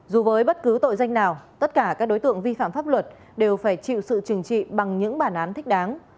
dù với bất cứ tội danh nào tất cả các đối tượng vi phạm pháp luật đều phải chịu sự trừng trị bằng những bản án thích đáng